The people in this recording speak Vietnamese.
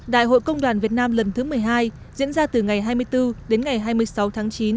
đại hội công đoàn việt nam lần thứ một mươi hai diễn ra từ ngày hai mươi bốn đến ngày hai mươi sáu tháng chín